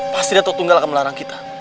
pasti datu tunggal akan melarang kita